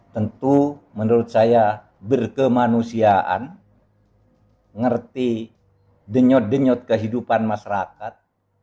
tentu menurut saya berkemanusiaan ngerti denyut denyut kehidupan masyarakat